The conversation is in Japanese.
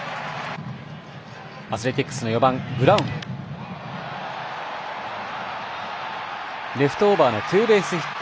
アスレティックスの４番、ブラウン、レフトオーバーのツーベースヒット。